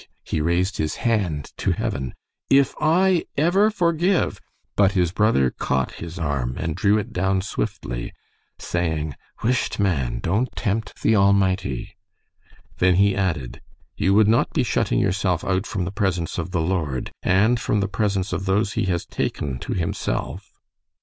he raised his hand to heaven. "If I ever forgive " But his brother caught his arm and drew it down swiftly, saying: "Whisht, man. Don't tempt the Almighty." Then he added, "You would not be shutting yourself out from the presence of the Lord and from the presence of those he has taken to himself?"